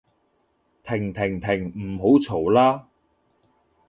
停停停唔好嘈喇